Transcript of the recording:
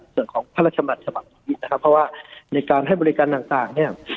ส่วนของพระราชมัติฉบับนี้นะครับเพราะว่าในการให้บริการต่างเนี่ย